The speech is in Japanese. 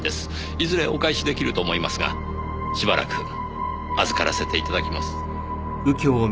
いずれお返し出来ると思いますがしばらく預からせて頂きます。